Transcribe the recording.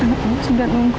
anakmu sudah nunggu tuh